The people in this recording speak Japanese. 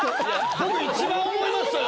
僕一番思いましたよ